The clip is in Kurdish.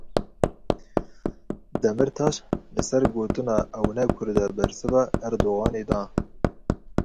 Demirtaş li ser gotina ew ne Kurd e bersiva Erdoganî da.